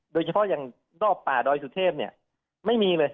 โดยเฉพาะอย่างรอบป่าดอยสุเทพเนี่ยไม่มีเลย